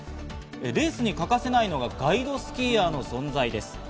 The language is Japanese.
レースに欠かせないのがガイドスキーヤーの存在です。